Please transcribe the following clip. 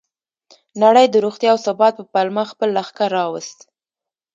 نړۍ د روغتیا او ثبات په پلمه خپل لښکر راوست.